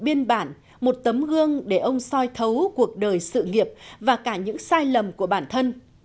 biên bản một tấm gương để ông soi thấu cuộc đời sự nghiệp và cả những sai lầm của bản thân